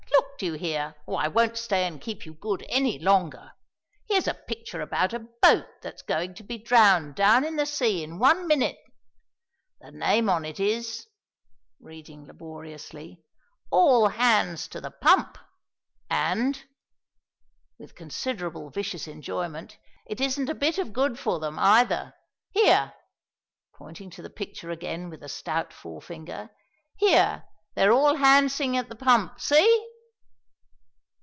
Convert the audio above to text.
"Look! do you hear, or I won't stay and keep you good any longer. Here's a picture about a boat that's going to be drowned down in the sea in one minnit. The name on it is" reading laboriously "'All hands to the pump.' And" with considerable vicious enjoyment "it isn't a bit of good for them, either. Here" pointing to the picture again with a stout forefinger "here they're 'all handsing' at the pump. See?"